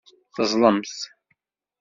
Teẓẓlemt.